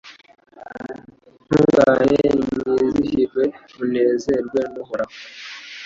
Ntungane nimwizihirwe munezezwe n’Uhoraho